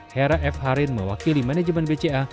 hera f harin mewakili manajemen bca